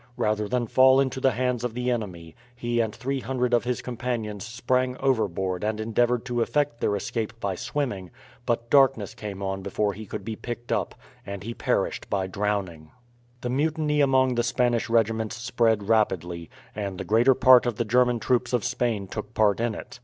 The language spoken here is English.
Rather than fall into the hands of the enemy, he and 300 of his companions sprang overboard and endeavoured to effect their escape by swimming, but darkness came on before he could be picked up, and he perished by drowning. The mutiny among the Spanish regiments spread rapidly, and the greater part of the German troops of Spain took part in it.